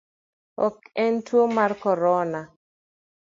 Ok en tuo mar corona?